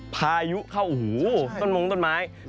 ภายุเข้าอูหู่ต้นมงค์ต้นไม้